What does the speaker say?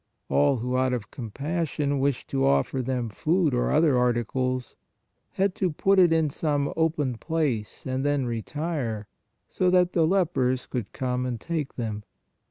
All who out of com passion wished to offer them food or other articles, had to put it in some open place and then retire, so that the lepers could come and take them.